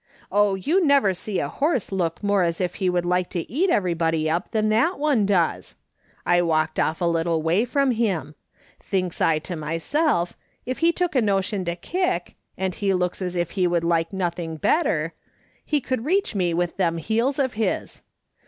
Oh, you never see a horse look more as if he would like to eat everybody up than that one does ! I walked off a little way from him. Thinks I to myself, if he took a notion to kick — and he looks as if he would like nothing better — he could reach me with them heels of his.